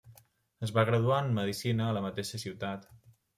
Es va graduar en medicina a la mateixa ciutat.